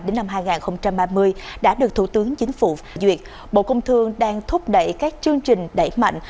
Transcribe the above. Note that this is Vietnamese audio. đến năm hai nghìn ba mươi đã được thủ tướng chính phủ duyệt bộ công thương đang thúc đẩy các chương trình đẩy mạnh